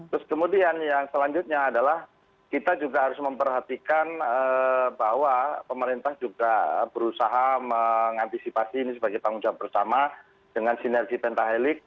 terus kemudian yang selanjutnya adalah kita juga harus memperhatikan bahwa pemerintah juga berusaha mengantisipasi ini sebagai tanggung jawab bersama dengan sinergi pentahelik